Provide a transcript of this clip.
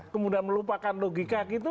kemudian melupakan logika gitu